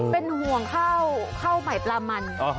เป็นห่วงข้าวใหม่ปลามัน